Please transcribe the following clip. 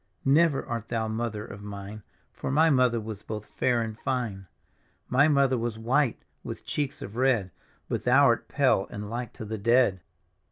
"" Never art thou mother of mine, For my mother was both fair and fine. " My mother was white, with cheeks of red, But thou art pale and like to the dead."